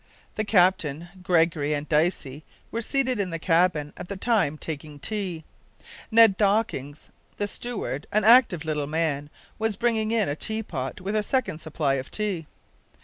The captain, Gregory, and Dicey were seated in the cabin at the time taking tea. Ned Dawkins, the steward, an active little man, was bringing in a tea pot with a second supply of tea.